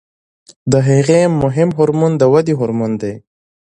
د هغې مهم هورمون د ودې هورمون دی.